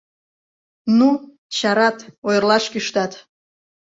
— Ну... чарат... ойырлаш кӱштат.